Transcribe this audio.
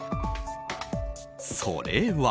それは。